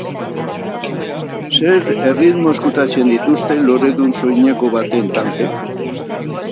Zer erritmo ezkutatzen dituzte loredun soineko baten tantek?